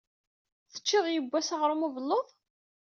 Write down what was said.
Teččiḍ yewwas aɣṛum n ubelluḍ?